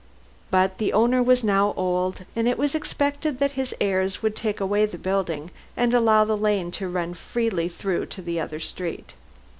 But the owner was now old, and it was expected his heirs would take away the building and allow the lane to run freely through to the other street.